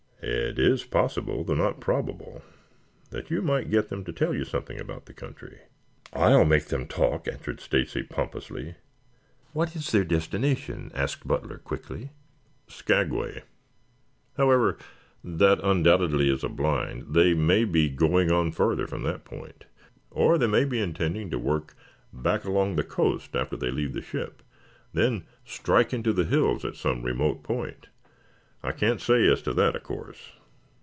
It is possible, though not probable, that you might get them to tell you something about the country." "I'll make them talk," answered Stacy pompously. "What is their destination?" asked Butler quickly. "Skagway. However, that undoubtedly is a blind. They may be going on farther from that point, or they may be intending to work back along the coast after they leave the ship, then strike into the hills at some remote point. I can't say as to that, of course.